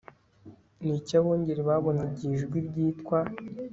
Ni iki abungeri babonye igihe ijwi ryitwa